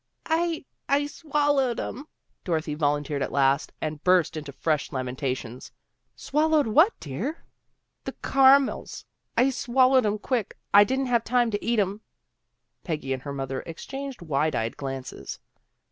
" "I I swallowed 'em," Dorothy volunteered at last, and burst into fresh lamentations. " Swallowed what, dear? " 164 THE GIRLS OF FRIENDLY TERRACE " The car'mels. I swallowed 'em quick. I didn't have time to eat 'em." Peggy and her mother exchanged wide eyed glances.